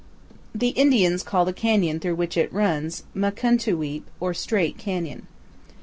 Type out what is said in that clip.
The Indians call the canyon through which it runs, Mukun'tu weap, or Straight, Canyon.